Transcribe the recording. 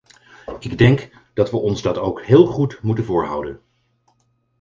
Ik denk dat we ons dat ook heel goed moeten voorhouden.